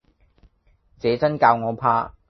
這眞教我怕，